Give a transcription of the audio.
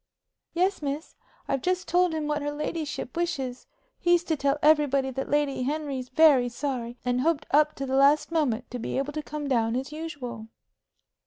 "Yes, miss. I've just told him what her ladyship wishes. He's to tell everybody that Lady Henry's very sorry, and hoped up to the last moment to be able to come down as usual."